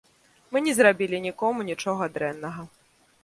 Мы не зрабілі нікому нічога дрэннага.